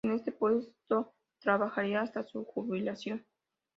En este puesto trabajaría hasta su jubilación.